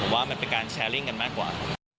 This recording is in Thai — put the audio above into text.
ว่ามันเป็นการแชร์ลิ่งกันมากกว่า